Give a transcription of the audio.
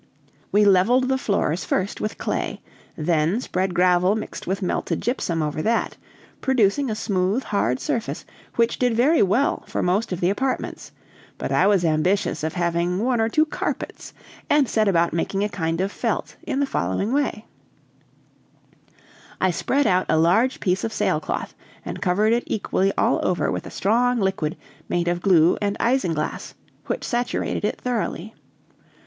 We leveled the floors first with clay; then spread gravel mixed with melted gypsum over that, producing a smooth, hard surface, which did very well for most of the apartments; but I was ambitious of having one or two carpets, and set about making a kind of felt in the following way: I spread out a large piece of sailcloth, and covered it equally all over with a strong liquid, made of glue and isinglass, which saturated it thoroughly.